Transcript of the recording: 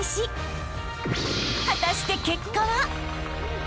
［果たして結果は？］